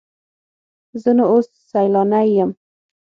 زه نو اوس سیلانی یم.